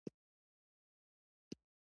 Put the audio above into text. د بازار او کورونو ړنګ دېوالونه لوګو وهلي ول.